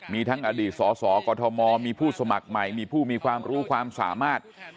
มีทั้งอดีตสสกมมีผู้สมัครใหม่มีผู้มีความรู้ความสามารถ